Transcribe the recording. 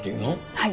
はい。